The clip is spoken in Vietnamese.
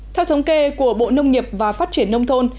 theo thống kê của bộ nông nghiệp và phát triển nông thôn